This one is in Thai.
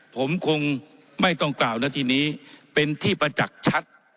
ผมคงไม่ต้องกล่าวนาทีนี้เป็นที่ประจักษ์ชัด